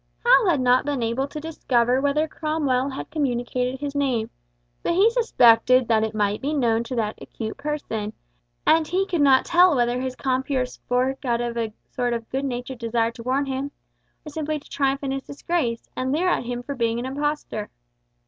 Hal had not been able to discover whether Cromwell had communicated his name, but he suspected that it might be known to that acute person, and he could not tell whether his compeer spoke out of a sort of good natured desire to warn him, or simply to triumph in his disgrace, and leer at him for being an impostor.